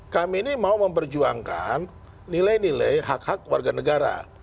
kami ini mau memperjuangkan nilai nilai hak hak warga negara